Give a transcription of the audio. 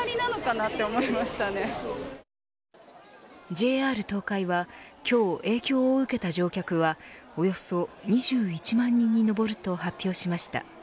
ＪＲ東海は今日、影響を受けた乗客はおよそ２１万人に上ると発表しました。